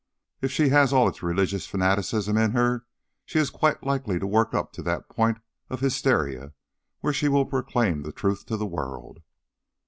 If she has all its religious fanaticism in her, she is quite likely to work up to that point of hysteria where she will proclaim the truth to the world."